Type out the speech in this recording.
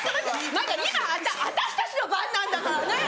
まだ今私たちの番なんだからねっ！